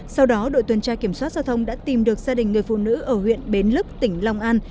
sau đó đội tuần tra kiểm soát giao thông đã tìm được gia đình người phụ nữ ở huyện bến lức tỉnh long an